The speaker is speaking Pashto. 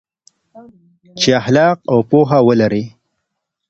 چې اخلاق او پوهه ولري.